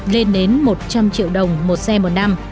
lên đến một trăm linh triệu đồng một xe một năm